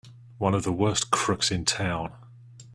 One of the worst crooks in town!